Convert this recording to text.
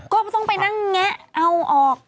ก็ต้องไปนั่งแงะเอาออก